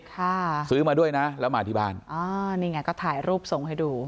ค่ะซื้อมาด้วยนะแล้วมาที่บ้านอ๋อนี่ไงก็ถ่ายรูปส่งให้ดู